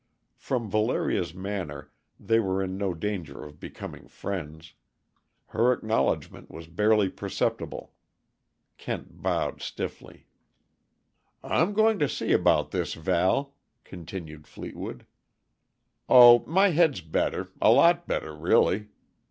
From Valeria's manner, they were in no danger of becoming friends. Her acknowledgment was barely perceptible. Kent bowed stiffly. "I'm going to see about this, Val," continued Fleetwood. "Oh, my head's better a lot better, really.